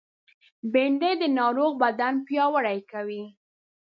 بېنډۍ د ناروغ بدن پیاوړی کوي